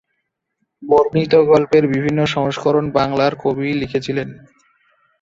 বর্ণিত গল্পের বিভিন্ন সংস্করণ বাংলার কবি লিখেছিলেন।